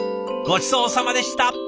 ごちそうさまでした。